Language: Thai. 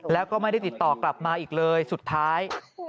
แล้วก็ไม่ได้ติดต่อกลับมาอีกเลยสุดท้าย